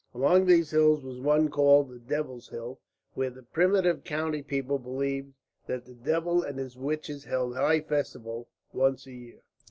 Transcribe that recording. Among these hills was one called the Devil's Hill, where the primitive country people believed that the devil and his witches held high festival, once a year.